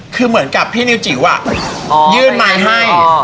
คือเหมือนกับพี่นิวจิ๋วยื่นไมค์ให้